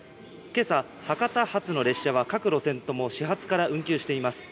けさ、博多発の列車は各路線とも始発から運休しています。